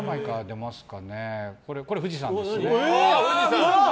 これは富士山ですね。